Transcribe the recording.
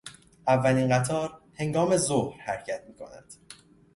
اولین قطار هنگام ظهر حرکت میکند.